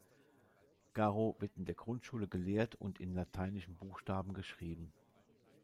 Garo wird in der Grundschule gelehrt und in lateinischen Buchstaben geschrieben.